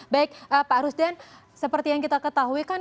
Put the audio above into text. baik pak rusdan seperti yang kita ketahui kan